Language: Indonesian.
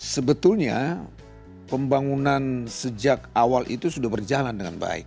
sebetulnya pembangunan sejak awal itu sudah berjalan dengan baik